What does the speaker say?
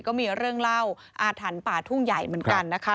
ก็มีเรื่องเล่าอาถรรพ์ป่าทุ่งใหญ่เหมือนกันนะคะ